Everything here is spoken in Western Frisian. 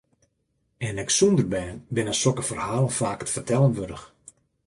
En ek sûnder bern binne sokke ferhalen faak it fertellen wurdich.